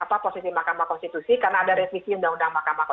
apa posisi mk karena ada resisi undang undang mk